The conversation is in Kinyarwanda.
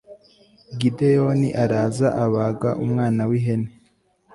gideyoni araza abaga umwana w'ihene